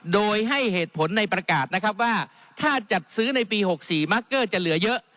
โดยให้เหตุผลในประกาศนะครับว่าถ้าจัดซื้อในปี๖๔มาร์คเกอร์จะเหลือเยอะ